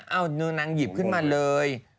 เอานางหยิบขึ้นมาเลย